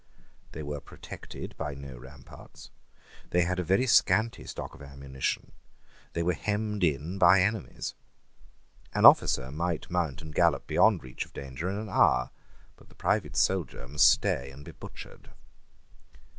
They were protected by no ramparts: they had a very scanty stock of ammunition: they were hemmed in by enemies. An officer might mount and gallop beyond reach of danger in an hour; but the private soldier must stay and be butchered.